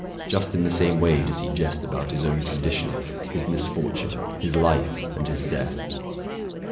Just in the same way does he jest about his own condition, his misfortune, his life, and his death.